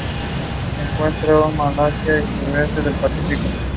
She specialises in the study of Neanderthals.